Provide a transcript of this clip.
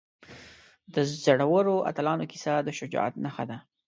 د زړورو اتلانو کیسه د شجاعت نښه ده.